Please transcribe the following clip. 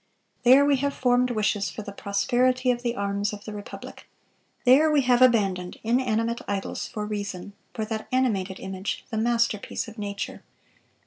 There we have formed wishes for the prosperity of the arms of the Republic. There we have abandoned inanimate idols for Reason, for that animated image, the masterpiece of nature."